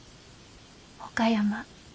岡山